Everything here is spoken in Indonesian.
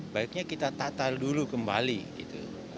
baiknya kita tatal dulu kembali gitu